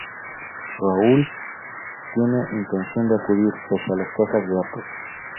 Raoul tiene intención de acudir pese a las quejas de Athos.